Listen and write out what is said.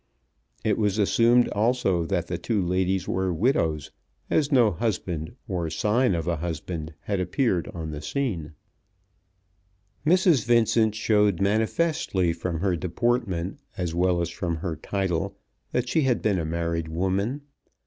It was assumed also that the two ladies were widows, as no husband or sign of a husband had appeared on the scene. Mrs. Vincent showed manifestly from her deportment, as well as from her title, that she had been a married woman.